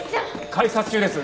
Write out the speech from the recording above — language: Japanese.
開札中です。